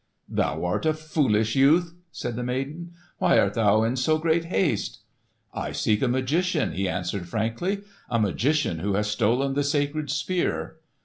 "Thou art a foolish youth," said the maiden. "Why art thou in so great haste?" "I seek a magician," he answered, frankly; "a magician who has stolen the sacred Spear."